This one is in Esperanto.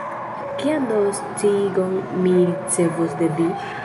Kian do sciigon mi ricevos de vi?